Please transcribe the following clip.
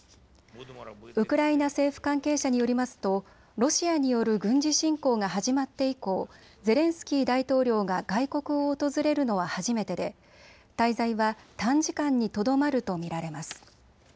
ウクライナ政府関係者によりますとロシアによる軍事侵攻が始まって以降、ゼレンスキー大統領が外国を訪れるのは初めてで滞在は短時間にとどまると見られます。